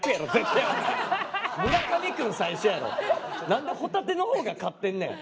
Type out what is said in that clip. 何でホタテのほうが勝ってんねん！